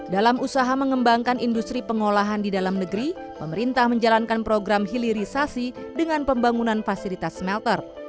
dalam usaha mengembangkan industri pengolahan di dalam negeri pemerintah menjalankan program hilirisasi dengan pembangunan fasilitas smelter